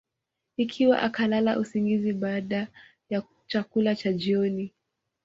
Ikiwa akalala usingizi baada ya chakula cha jioni